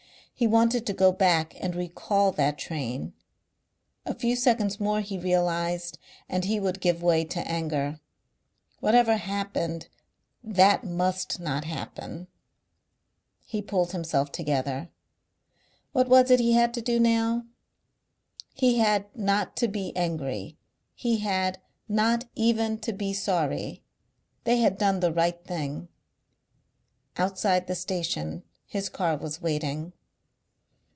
He wanted to go back and recall that train. A few seconds more, he realized, and he would give way to anger. Whatever happened that must not happen. He pulled himself together. What was it he had to do now? He had not to be angry, he had not even to be sorry. They had done the right thing. Outside the station his car was waiting.